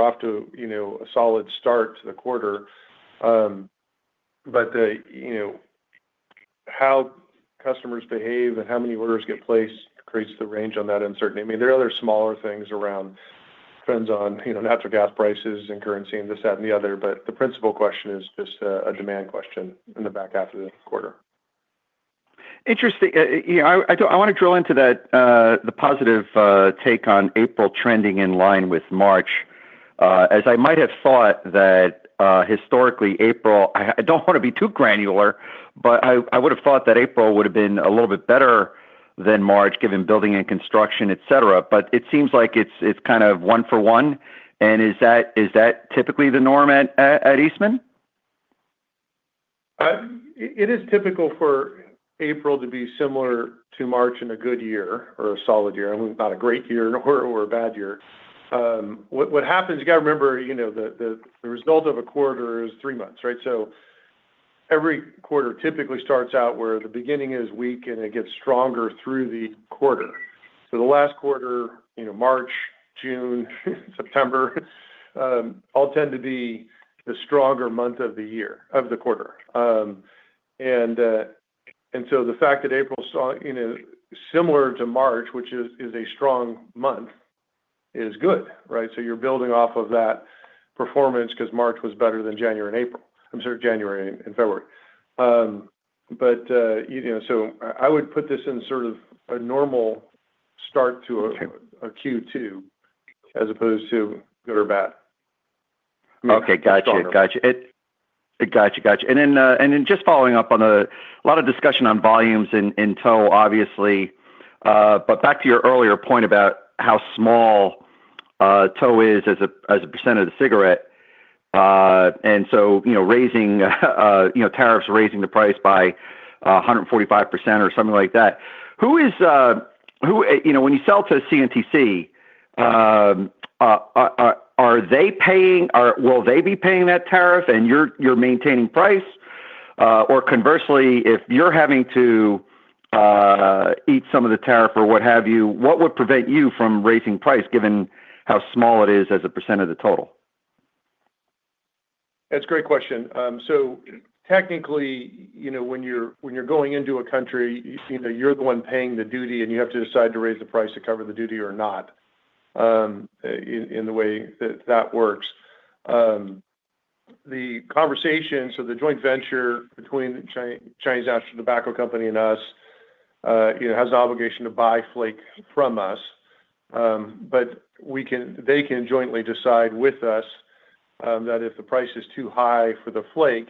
off to a solid start to the quarter. How customers behave and how many orders get placed creates the range on that uncertainty. I mean, there are other smaller things around trends on natural gas prices and currency and this, that, and the other, but the principal question is just a demand question in the back half of the quarter. Interesting. I want to drill into the positive take on April trending in line with March, as I might have thought that historically April, I do not want to be too granular, but I would have thought that April would have been a little bit better than March given building and construction, etc. It seems like it is kind of one for one. Is that typically the norm at Eastman? It is typical for April to be similar to March in a good year or a solid year. I mean, not a great year or a bad year. What happens, you got to remember, the result of a quarter is three months, right? Every quarter typically starts out where the beginning is weak and it gets stronger through the quarter. The last month of the quarter, March, June, September, all tend to be the stronger month of the quarter. The fact that April saw similar to March, which is a strong month, is good, right? You are building off of that performance because March was better than January and February. I would put this in sort of a normal start to a Q2 as opposed to good or bad. Gotcha. Gotcha. Gotcha. Gotcha. Just following up on a lot of discussion on volumes in tow, obviously. Back to your earlier point about how small tow is as a percent of the cigarette. Raising tariffs, raising the price by 145% or something like that. When you sell to CNTC, are they paying or will they be paying that tariff and you're maintaining price? Conversely, if you're having to eat some of the tariff or what have you, what would prevent you from raising price given how small it is as a percent of the total? That's a great question. Technically, when you're going into a country, you're the one paying the duty and you have to decide to raise the price to cover the duty or not in the way that that works. The conversation, the joint venture between the China National Tobacco Corporation and us has an obligation to buy flake from us. They can jointly decide with us that if the price is too high for the flake,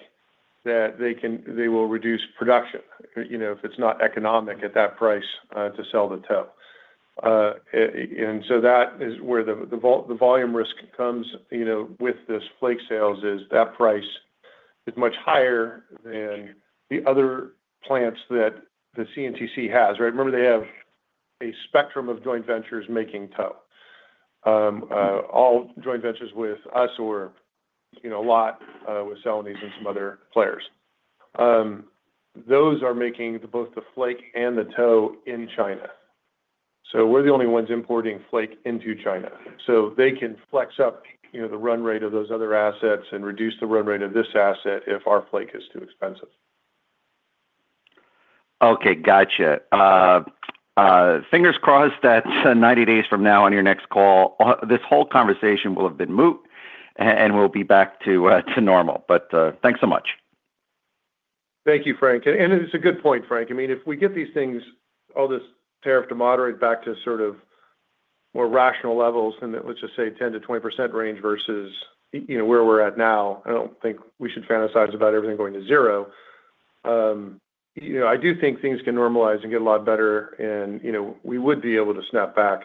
they will reduce production if it's not economic at that price to sell the tow. That is where the volume risk comes with this flake sales, that price is much higher than the other plants that the CNTC has, right? Remember, they have a spectrum of joint ventures making tow, all joint ventures with us or a lot with Celanese and some other players. Those are making both the flake and the tow in China. We are the only ones importing flake into China. They can flex up the run rate of those other assets and reduce the run rate of this asset if our flake is too expensive. Okay. Gotcha. Fingers crossed that 90 days from now on your next call, this whole conversation will have been moot and we will be back to normal. Thanks so much. Thank you, Frank. It is a good point, Frank. I mean, if we get these things, all this tariff to moderate back to sort of more rational levels in the, let's just say, 10-20% range versus where we are at now, I do not think we should fantasize about everything going to zero. I do think things can normalize and get a lot better, and we would be able to snap back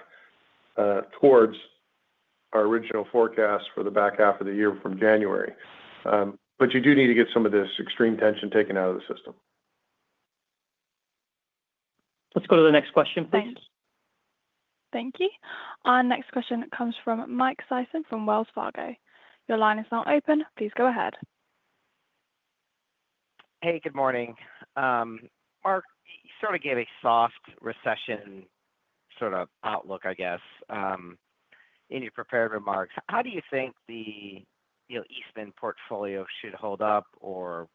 towards our original forecast for the back half of the year from January. You do need to get some of this extreme tension taken out of the system. Let's go to the next question, please. Thank you. Our next question comes from Mike Sison from Wells Fargo. Your line is now open. Please go ahead. Hey, good morning. Mark, you sort of gave a soft recession sort of outlook, I guess, in your prepared remarks. How do you think the Eastman portfolio should hold up or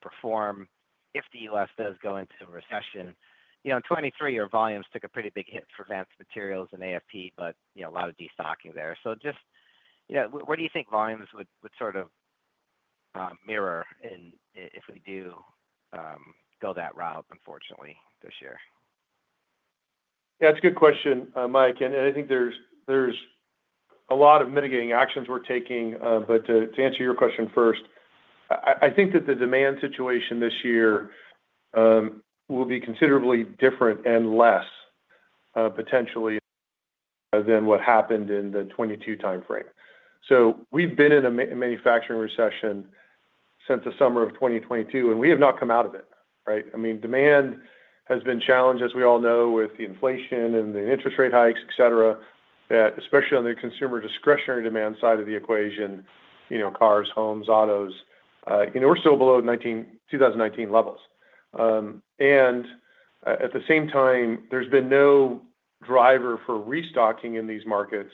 perform if the U.S. does go into a recession? In 2023, your volumes took a pretty big hit for advanced materials and AFP, but a lot of destocking there. Just where do you think volumes would sort of mirror if we do go that route, unfortunately, this year? Yeah, that's a good question, Mike. I think there's a lot of mitigating actions we're taking. To answer your question first, I think that the demand situation this year will be considerably different and less potentially than what happened in the 2022 timeframe. We've been in a manufacturing recession since the summer of 2022, and we have not come out of it, right? I mean, demand has been challenged, as we all know, with the inflation and the interest rate hikes, etc., that especially on the consumer discretionary demand side of the equation, cars, homes, autos, we're still below 2019 levels. At the same time, there's been no driver for restocking in these markets.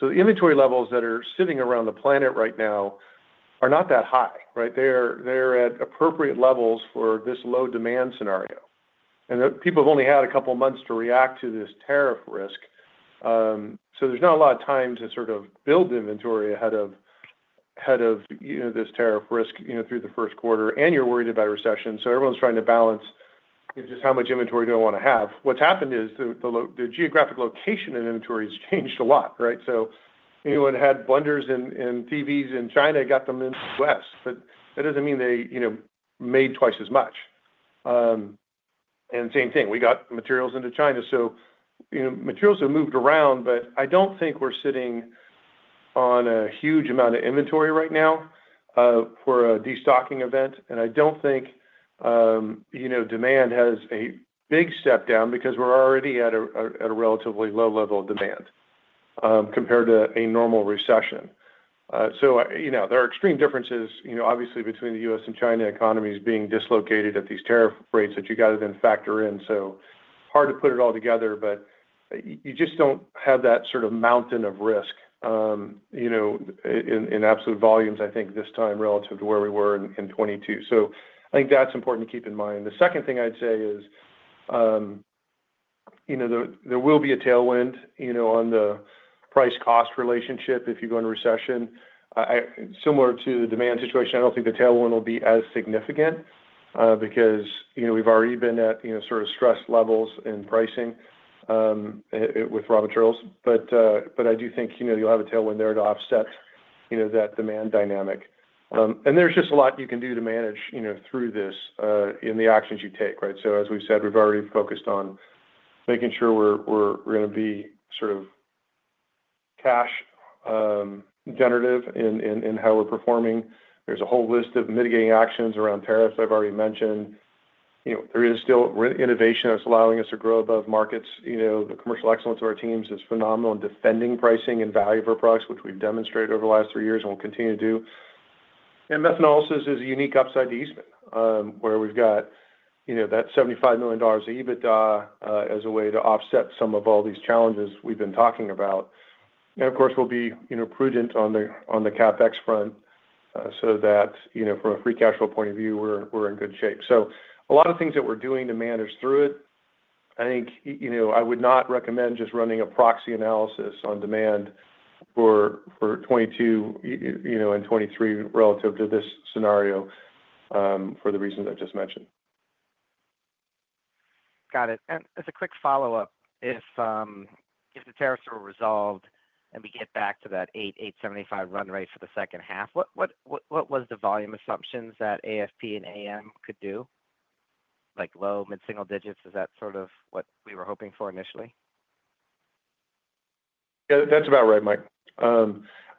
The inventory levels that are sitting around the planet right now are not that high, right? They're at appropriate levels for this low demand scenario. People have only had a couple of months to react to this tariff risk. There is not a lot of time to sort of build inventory ahead of this tariff risk through the first quarter. You are worried about recession. Everyone is trying to balance just how much inventory do I want to have. What has happened is the geographic location of inventory has changed a lot, right? Anyone who had blenders and TVs in China got them in the U.S., but that does not mean they made twice as much. Same thing, we got materials into China. Materials have moved around, but I do not think we are sitting on a huge amount of inventory right now for a destocking event. I do not think demand has a big step down because we are already at a relatively low level of demand compared to a normal recession. There are extreme differences, obviously, between the U.S. and China economies being dislocated at these tariff rates that you got to then factor in. Hard to put it all together, but you just do not have that sort of mountain of risk in absolute volumes, I think, this time relative to where we were in 2022. I think that is important to keep in mind. The second thing I would say is there will be a tailwind on the price-cost relationship if you go into recession. Similar to the demand situation, I do not think the tailwind will be as significant because we have already been at sort of stress levels in pricing with raw materials. I do think you will have a tailwind there to offset that demand dynamic. There is just a lot you can do to manage through this in the actions you take, right? As we've said, we've already focused on making sure we're going to be sort of cash-generative in how we're performing. There's a whole list of mitigating actions around tariffs I've already mentioned. There is still innovation that's allowing us to grow above markets. The commercial excellence of our teams is phenomenal in defending pricing and value of our products, which we've demonstrated over the last three years and will continue to do. Methanol systems is a unique upside to Eastman where we've got that $75 million EBITDA as a way to offset some of all these challenges we've been talking about. Of course, we'll be prudent on the CapEx front so that from a free cash flow point of view, we're in good shape. A lot of things that we're doing to manage through it, I think I would not recommend just running a proxy analysis on demand for 2022 and 2023 relative to this scenario for the reasons I just mentioned. Got it. As a quick follow-up, if the tariffs were resolved and we get back to that 8.875 run rate for the second half, what was the volume assumptions that AFP and AM could do? Like low, mid-single digits, is that sort of what we were hoping for initially? That's about right, Mike.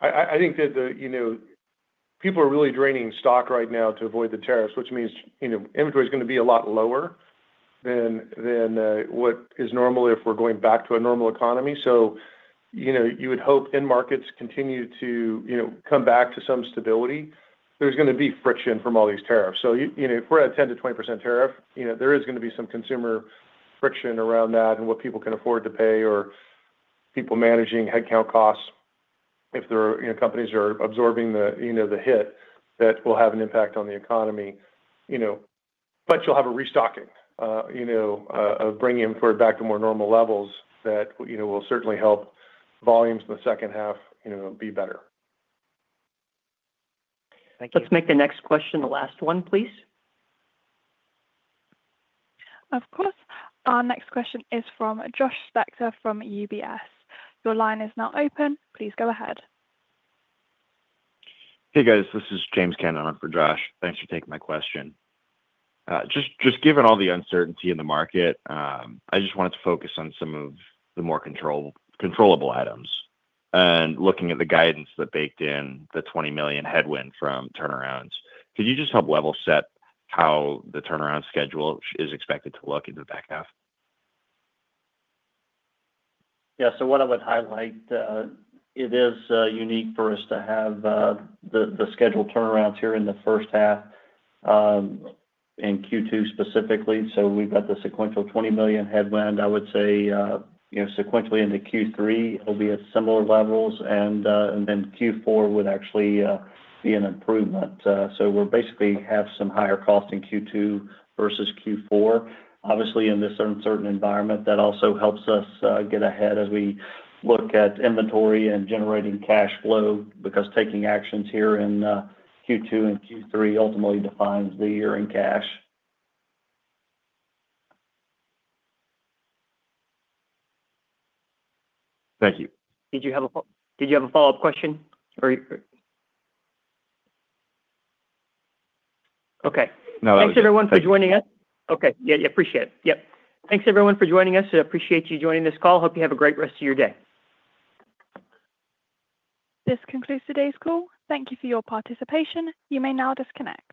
I think that people are really draining stock right now to avoid the tariffs, which means inventory is going to be a lot lower than what is normal if we're going back to a normal economy. You would hope markets continue to come back to some stability. There is going to be friction from all these tariffs. If we're at a 10%-20% tariff, there is going to be some consumer friction around that and what people can afford to pay or people managing headcount costs if companies are absorbing the hit. That will have an impact on the economy. You'll have a restocking of bringing inventory back to more normal levels that will certainly help volumes in the second half be better. Thank you. Let's make the next question the last one, please. Of course. Our next question is from Josh Spector from UBS. Your line is now open. Please go ahead. Hey, guys. This is James Cannon for Josh. Thanks for taking my question. Just given all the uncertainty in the market, I just wanted to focus on some of the more controllable items and looking at the guidance that baked in the $20 million headwind from turnarounds. Could you just help level set how the turnaround schedule is expected to look in the back half? Yeah. What I would highlight, it is unique for us to have the scheduled turnarounds here in the first half in Q2 specifically. We have the sequential $20 million headwind. I would say sequentially into Q3, it will be at similar levels. Q4 would actually be an improvement. We will basically have some higher cost in Q2 versus Q4. Obviously, in this uncertain environment, that also helps us get ahead as we look at inventory and generating cash flow because taking actions here in Q2 and Q3 ultimately defines the year in cash. Thank you. Did you have a follow-up question? Okay. No, that was it. Thanks, everyone, for joining us. Okay. I appreciate it. Thanks, everyone, for joining us. I appreciate you joining this call. Hope you have a great rest of your day. This concludes today's call. Thank you for your participation. You may now disconnect.